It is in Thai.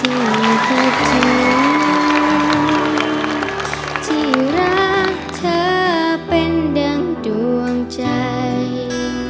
คนเดียนที่เคยทรงที่รักเธอเป็นดั่งดวงใจ